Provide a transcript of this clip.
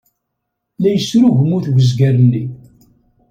La yesrugmut wezger-nni.